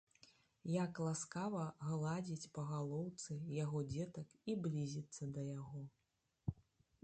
як ласкава гладзiць па галоўцы яго дзетак i блiзiцца да яго...